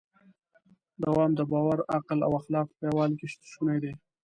دوام د باور، عقل او اخلاقو په یووالي کې شونی دی.